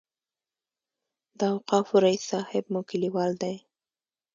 د اوقافو رئیس صاحب مو کلیوال دی.